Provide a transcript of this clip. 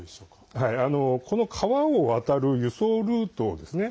この川を渡る輸送ルートですね。